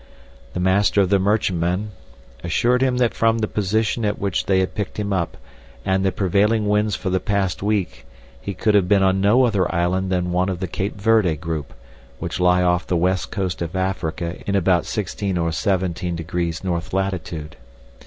The master of the merchantman assured him that from the position at which they had picked him up, and the prevailing winds for the past week he could have been on no other island than one of the Cape Verde group, which lie off the West Coast of Africa in about 16° or 17° north latitude.